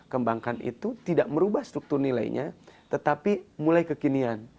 kembangkan itu tidak merubah struktur nilainya tetapi mulai kekinian